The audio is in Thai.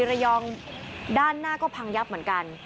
ระยองด้านหน้าก็พังยับเหมือนกัน